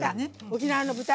沖縄の豚。